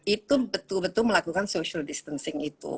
itu betul betul melakukan social distancing itu